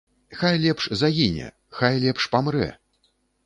Хай лепш загіне, хай лепш памрэ.